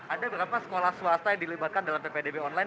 ada berapa sekolah swasta yang dilibatkan dalam ppdb online